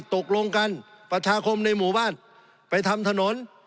ตกลงกันประชาคมในหมู่บ้านไปทำถนน